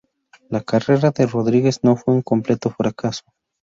La carrera de Rodríguez no fue un completo fracaso.